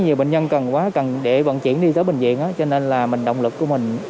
nhiều bệnh nhân cần quá cần để vận chuyển đi tới bệnh viện cho nên là mình động lực của mình